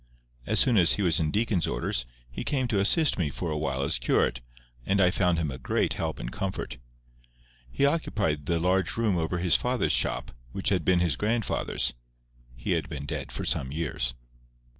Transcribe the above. As soon as he was in deacon's orders, he came to assist me for a while as curate, and I found him a great help and comfort. He occupied the large room over his father's shop which had been his grandfather's: he had been dead for some years.